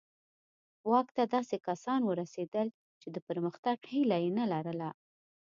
واک ته داسې کسان ورسېدل چې د پرمختګ هیله یې نه لرله.